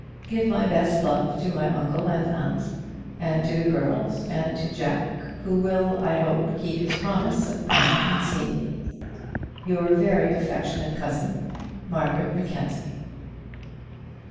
Give my best love to my uncle and aunt, and to the girls, and to Jack, who will, I hope, keep his promise of coming and seeing me. Your very affectionate cousin, MARGARET MACKENZIE.